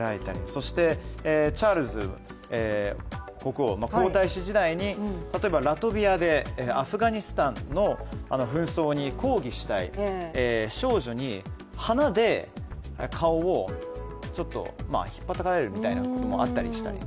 そしてチャールズ国王、皇太子時代に、例えばラトビアでアフガニスタンの紛争に抗議したい少女に花で顔をひっぱたかれるみたいなこともあったりしたり。